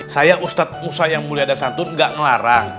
saya ustadz musa yang mulia ada santun gak ngelarang